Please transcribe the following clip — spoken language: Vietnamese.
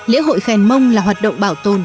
lễ hội khen mông là hoạt động bảo tồn